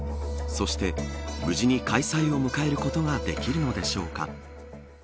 そして無事に開催を迎えることはできるのでしょうか。